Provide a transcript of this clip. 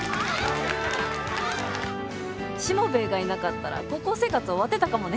しもべえがいなかったら高校生活終わってたかもね。